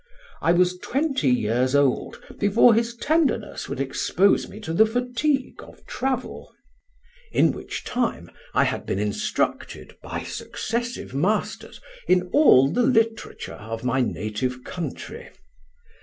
I was twenty years old before his tenderness would expose me to the fatigue of travel; in which time I had been instructed, by successive masters, in all the literature of my native country.